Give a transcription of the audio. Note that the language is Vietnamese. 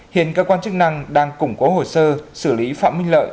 hiện cơ quan chức năng đang củng cố hồ sơ xử lý phạm minh lợi